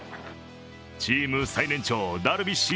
チーム最年長・ダルビッシュ